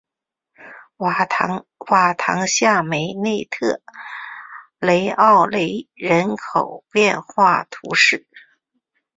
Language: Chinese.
瓦唐下梅内特雷奥勒人口变化图示